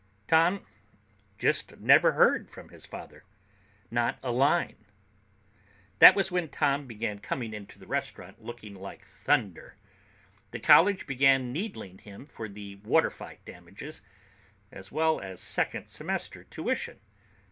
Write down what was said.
Tom just never heard from his father. Not a line. "That was when Tom began coming into the restaurant looking like thunder. The college began needling him for the water fight damages, as well as second semester tuition.